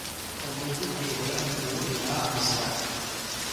El nou d'octubre en Bru irà a Masarac.